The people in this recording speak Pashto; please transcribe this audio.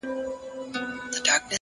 لوړې موخې ژور تمرکز غواړي